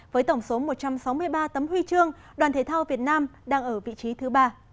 với tổng số một trăm sáu mươi ba tấm huy chương đoàn thể thao việt nam đang ở vị trí thứ ba